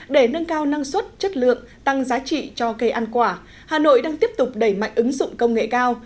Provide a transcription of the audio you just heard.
để nâng cao năng suất chất lượng tăng giá trị cho cây ăn quả hà nội đang tiếp tục đẩy mạnh ứng dụng công nghệ cao